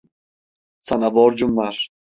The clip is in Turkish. Sana borcum var.